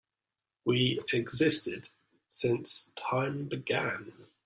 We've existed since time began.